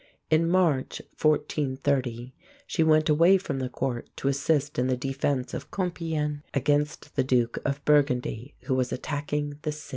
In March, 1430, she went away from the court to assist in the defense of Compiègne against the Duke of Burgundy, who was attacking the city.